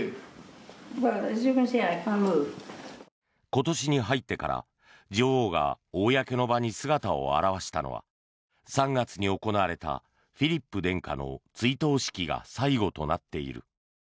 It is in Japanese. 今年に入ってから女王が公の場に姿を現したのは３月に行われたフィリップ殿下の追悼式が最後となっている。